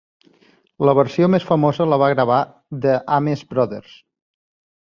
La versió més famosa la va gravar The Ames Brothers.